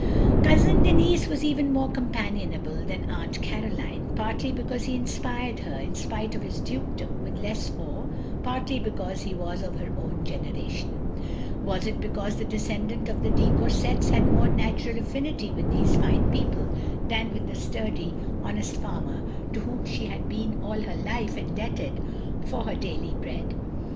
, Cousin Denis was even more companionable than Aunt Caroline, partly because he inspired OP GROSVENOR SQUARE 149 her, in spite of his dtikedom, with less awe, partly because he was of her own generation. Was it because the descendant of the de Coursets had more natural affinity with these fine people than with the sturdy, honest farmer to whom she had been all her life indebted for her daily bread?